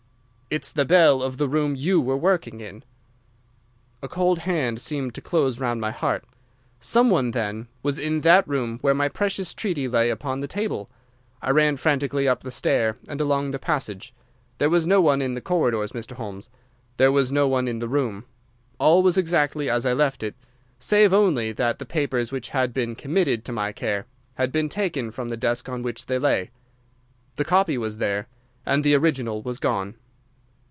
"'It's the bell of the room you were working in.' "A cold hand seemed to close round my heart. Some one, then, was in that room where my precious treaty lay upon the table. I ran frantically up the stairs and along the passage. There was no one in the corridors, Mr. Holmes. There was no one in the room. All was exactly as I left it, save only that the papers which had been committed to my care had been taken from the desk on which they lay. The copy was there, and the original was gone."